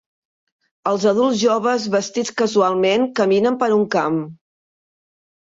Els adults joves vestits casualment caminen per un camp.